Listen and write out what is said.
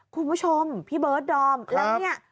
คุณผู้ชมพี่เบิร์ดดอมแล้วเนี่ย